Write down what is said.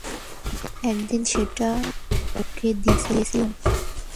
একদিন সেটা ওকে দিতে গিয়েছিলুম।